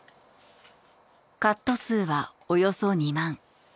カット数はおよそ２万。